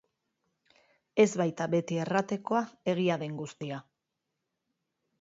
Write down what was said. Ez baita beti erratekoa egia den guztia.